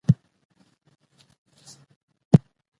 شنه چای د هاضمې لپاره ښه دی.